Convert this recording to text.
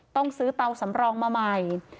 ต้องซื้อเตาสำรองมาใหม่